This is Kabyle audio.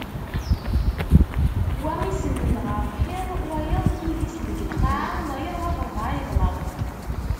Wa isenned ɣer lḥiḍ wayeḍ tidist deg lqaɛa wayeḍ ɣef rebɛa yeḍleq.